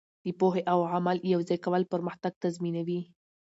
د پوهې او عمل یوځای کول پرمختګ تضمینوي.